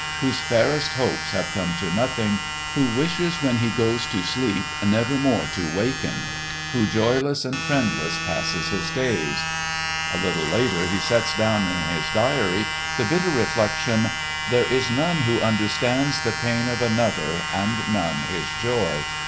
whose fairest hopes have come to nothing ... who wishes when he goes to sleep never more to awaken and who joyless and friendless passes his days." A little later he sets down in his diary the bitter reflection: "There is none who understands the pain of another and none his joy."